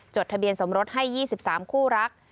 ทะเบียนสมรสให้๒๓คู่รัก